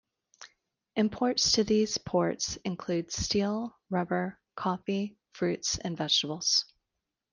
Imports to these ports include steel, rubber, coffee, fruits, and vegetables.